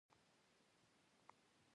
غږ د اوسپنې د غنړې و.